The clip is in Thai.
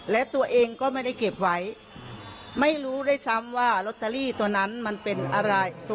และตัวเองก็ไม่ได้เก็บไว้ไม่รู้ด้วยซ้ำว่าลอตเตอรี่ตัวนั้นมันเป็นอะไร